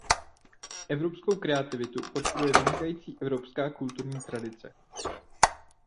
Evropskou kreativitu podporuje vynikající evropská kulturní tradice.